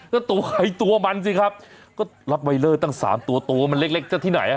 แล้วตัวไข่ตัวมันสิครับก็ล็อตไวเนอร์ตั้ง๓ตัวมันเล็กจ้ะที่ไหน